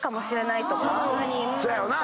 そやろな。